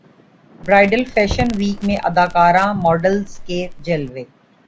bridal fashion week میں اداکاراں models کے جلوے